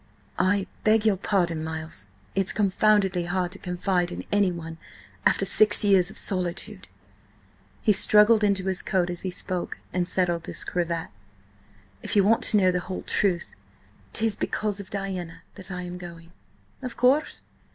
"I beg your pardon, Miles. It's confoundedly hard to confide in anyone after six years' solitude." He struggled into his coat as he spoke, and settled his cravat. "If you want to know the whole truth, 'tis because of Diana that I am going." "Of course.